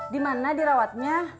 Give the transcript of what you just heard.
di mana dirawatnya